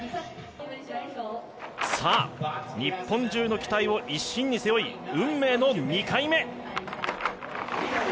さあ、日本中の期待を一身に背負い運命の２回目。